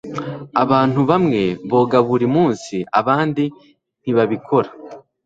Abantu bamwe boga buri munsi abandi ntibabikora.